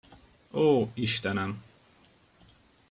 Ó, istenem!